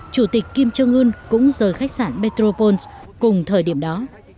chủ tịch kim jong un cũng rời khách sạn metropole cùng thời điểm đó